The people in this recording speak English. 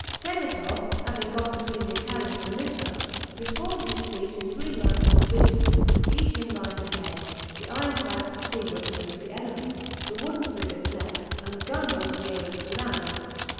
Tegethoff, having got between the Italians and Lissa, reformed his fleet in three lines of divisions, each in line ahead, the ironclads to seaward nearest the enemy; the wooden frigates next; and the gunboats nearest the land.